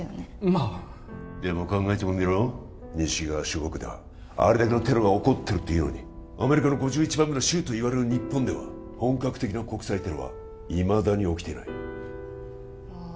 まあでも考えてもみろ西側諸国ではあれだけのテロが起こってるっていうのにアメリカの５１番目の州といわれる日本では本格的な国際テロはいまだに起きていないああ